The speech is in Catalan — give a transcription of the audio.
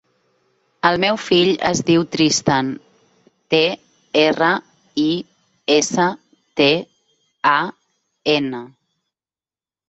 El meu fill es diu Tristan: te, erra, i, essa, te, a, ena.